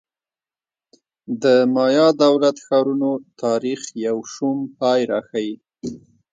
د مایا دولت ښارونو تاریخ یو شوم پای راښيي